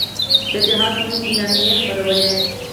د جهاد په نوم اعلامیې خپرولې.